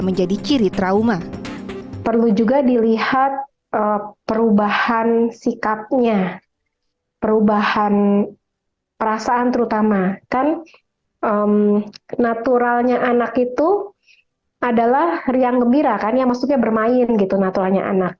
pertama kan naturalnya anak itu adalah riang gembira kan ya maksudnya bermain gitu naturalnya anak